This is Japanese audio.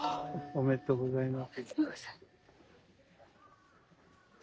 おめでとうございます。